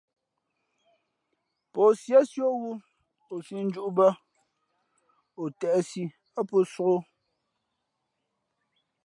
Pō síésí ō wū o sīʼ njūʼ bᾱ, o têʼsi ά pō sōk ō.